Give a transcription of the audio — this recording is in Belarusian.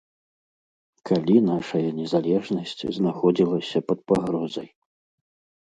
Калі нашая незалежнасць знаходзілася пад пагрозай?